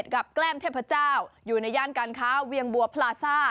แกล้มเทพเจ้าอยู่ในย่านการค้าเวียงบัวพลาซ่า